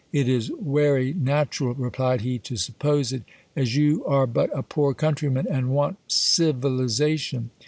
It is wery nat chural, replied he, to suppose it, as you are but a poor countryman and want civilization.